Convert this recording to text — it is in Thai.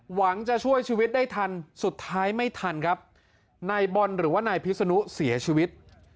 หวังจะช่วยชีวิตได้ทันสุดท้ายไม่ทันครับนายบอลหรือว่านายพิศนุเสียชีวิต